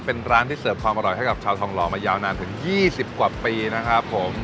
เป็นร้านที่เสิร์ฟความอร่อยให้กับชาวทองหล่อมายาวนานถึง๒๐กว่าปีนะครับผม